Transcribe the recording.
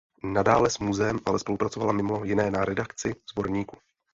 Nadále s muzeem ale spolupracovala mimo jiné na redakci sborníku.